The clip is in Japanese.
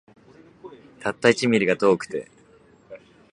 たった一ミリが遠くて